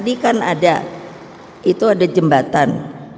tadi kan ada itu ada jembatan